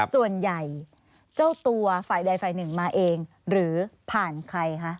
ส่วนใหญ่เจ้าตัวฝ่ายใดฝ่ายหนึ่งมาเองหรือผ่านใครคะ